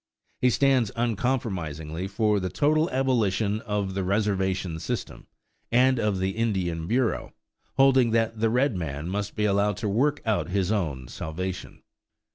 He stands uncompromisingly for the total abolition of the reservation system and of the Indian Bureau, holding that the red man must be allowed to work out his own salvation.